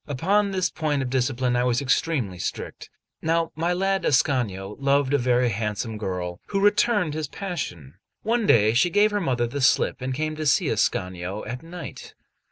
Upon this point of discipline I was extremely strict. Now may lad Ascanio loved a very handsome girl, who returned his passion. One day she gave her mother the slip, and came to see Ascanio at night.